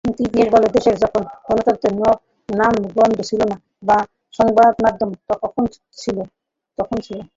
কিন্তু ইতিহাস বলে, দেশে যখন গণতন্ত্রের নামগন্ধ ছিল না, সংবাদমাধ্যম তখনো ছিল।